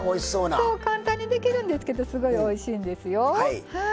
簡単にできるんですけどすごいおいしいんですよ。